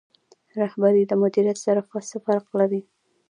رهبري له مدیریت سره څه فرق لري؟